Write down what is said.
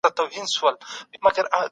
دا نسخه ارسیوز لابراتوار ته واستول سوه.